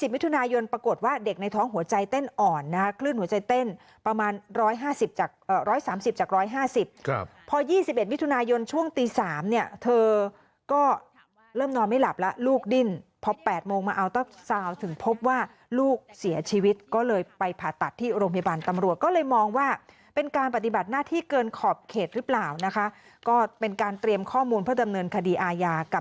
๒๐มิถุนายนปรากฏว่าเด็กในท้องหัวใจเต้นอ่อนนะคลื่นหัวใจเต้นประมาณ๑๓๐จาก๑๕๐พอ๒๑มิถุนายนช่วงตี๓เนี่ยเธอก็เริ่มนอนไม่หลับละลูกดิ้นพอ๘โมงมาอัลเตอร์ซาลถึงพบว่าลูกเสียชีวิตก็เลยไปผ่าตัดที่โรงพยาบาลตำรวจก็เลยมองว่าเป็นการปฏิบัติหน้าที่เกินขอบเขตรึเปล่านะคะก็เป็นก